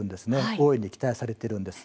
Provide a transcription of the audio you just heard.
大いに期待されているんです。